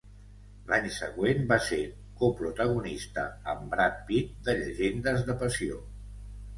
L'any següent, va ser coprotagonista amb Brad Pitt de "Llegendes de passió".